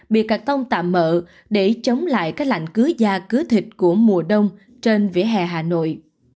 bị cạc tông tạm mỡ để chống lại các lạnh cứu da cứu thịt của mùa đông trên vỉa hè hà nội